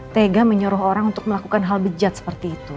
tega menyuruh orang untuk melakukan hal bijat seperti itu